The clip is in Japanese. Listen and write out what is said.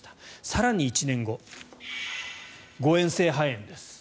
更に１年後誤嚥性肺炎です。